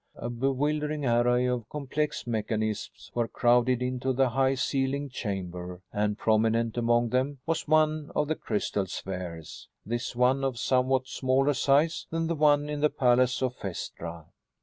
A bewildering array of complex mechanisms was crowded into the high ceilinged chamber and, prominent among them, was one of the crystal spheres, this one of somewhat smaller size than the one in the palace of Phaestra.